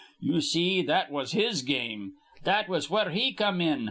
Ye see, that was his game. That was where he come in.